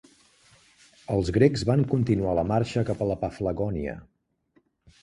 Els grecs van continuar la marxa cap a Paflagònia.